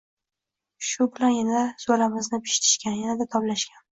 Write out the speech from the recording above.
Shu bilan yanada zuvalamizni pishitishgan, yanada toblashgan.